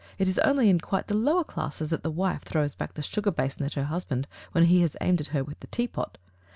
It is only in quite the lower classes that the wife throws back the sugar basin at her husband when he has aimed at her with the teapot.